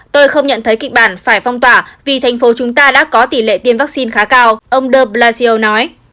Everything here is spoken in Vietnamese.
tôi không nhận thấy kịch bản phải phong tỏa vì thành phố chúng ta đã có tỷ lệ tiêm vaccine khá cao ông deblasio nói